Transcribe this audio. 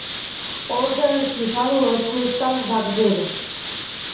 ორდენის ნიშანი ვერცხლისაგან მზადდება.